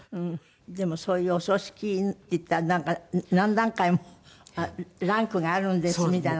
でもそういうお葬式っていったらなんか何段階もランクがあるんですみたいな。